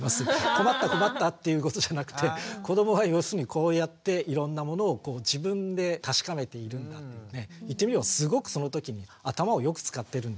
困った困ったっていうことじゃなくて子どもは要するにこうやっていろんなものを自分で確かめているんだっていうね言ってみればすごくそのときに頭をよく使ってるんです。